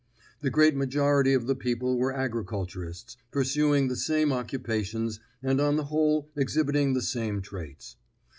The great majority of the people were agriculturists, pursuing the same occupations and on the whole exhibiting the same traits.